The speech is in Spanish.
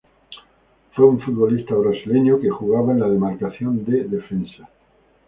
Fue un futbolista brasileño que jugaba en la demarcación de defensa.